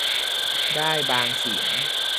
ได้เป็นบางเสียง